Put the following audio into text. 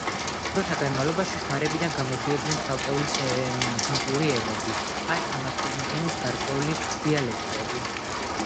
დროთა განმავლობაში ხმარებიდან გამოდიოდნენ ცალკეული სემიტური ენები, ან ამა თუ იმ ენის გარკვეული დიალექტები.